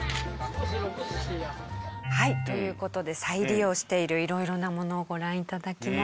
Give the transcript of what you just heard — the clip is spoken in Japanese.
はいという事で再利用している色々なものをご覧頂きました。